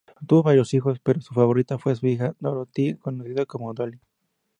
Tuvo varios hijos, pero su favorita fue su hija Dorothy, conocida como Dolly.